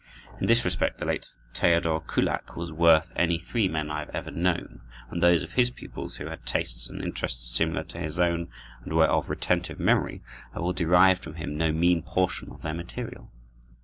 In this respect the late Theodor Kullak was worth any three men I have ever known, and those of his pupils who had tastes and interests similar to his own, and were of retentive memory, have all derived from him no mean portion of their material.